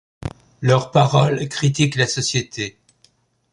Leurs paroles critiquent la société.